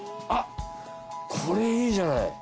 あっこれいいじゃない。